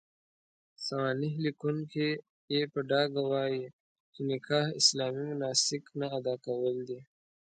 سوانح ليکونکي يې په ډاګه وايي، چې جناح اسلامي مناسک نه اداء کول.